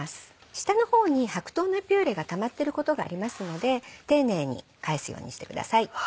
下の方に白桃のピューレがたまってることがありますので丁寧に返すようにしてください。